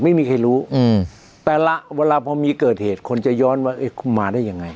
ไม่มีใครรู้แต่ละเวลาพอมีเกิดเหตุคนจะย้อนว่าคุณมาได้ยังไง